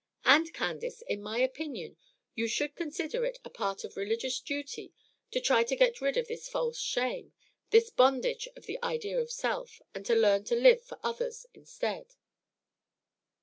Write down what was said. And, Candace, in my opinion you should consider it a part of religious duty to try to get rid of this false shame, this bondage to the idea of self, and to learn to live for others instead."